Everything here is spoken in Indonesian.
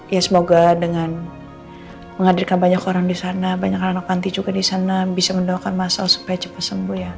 ya semoga dengan menghadirkan banyak orang disana banyak anak nanti juga disana bisa mendoakan masalah supaya cepet sembuh ya